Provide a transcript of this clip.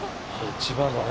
千葉のね。